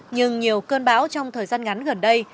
nhưng nhiều cơn bão trong thời gian ngắn gần đây